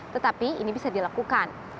tetapi ini bisa dilakukan